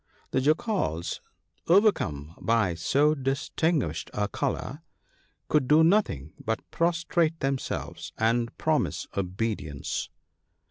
'" The Jackals, overcome by so distinguished a colour, could do nothing but prostrate themselves and promise obedience.